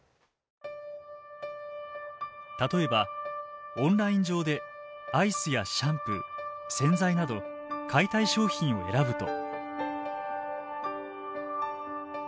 例えばオンライン上でアイスやシャンプー洗剤など買いたい商品を選ぶと。